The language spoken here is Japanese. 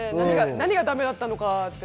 何がだめだったのか。